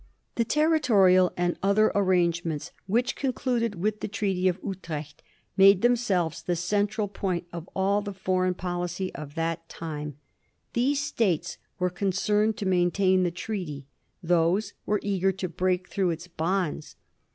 The territorial and other arrange ments which concluded with the Treaty of Utrecht made themselves the central point of all the foreign policy of that time : these States were concerned to maintain the treaty ; those were eager to break through its bonds.